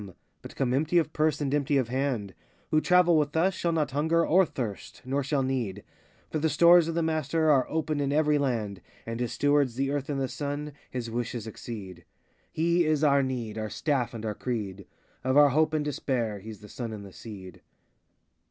but come empty of purse and empty of hand; Who travel with us shall not hunger or thirst, nor shall need; For the stores of the Master are open in every land, And his Stewards, the Earth and the Sun, his wishes exceed. He is our need, Our staff and our creed; 9i Of our hope and despair, He's the Sun and the Seed.